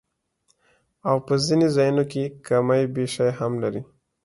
او پۀ ځنې ځايونو کښې کمی بېشی هم لري